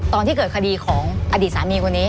ตอนที่เกิดคดีของอดีตสามีคนนี้